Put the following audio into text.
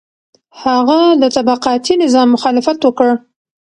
هغه د طبقاتي نظام مخالفت وکړ.